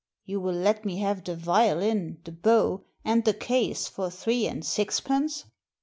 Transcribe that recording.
'* You will let me have the violin, the bow, and the case for three and sixpence